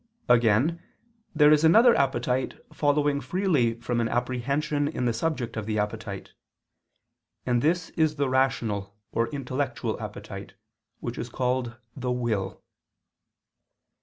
Again, there is another appetite following freely from an apprehension in the subject of the appetite. And this is the rational or intellectual appetite, which is called the _will.